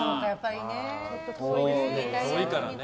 遠いからね。